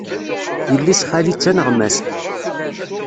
Yelli-s n xali d taneɣmast.